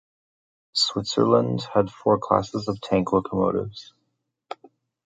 Switzerland had four classes of tank locomotives.